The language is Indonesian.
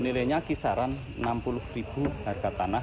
nilainya kisaran enam puluh ribu harga tanah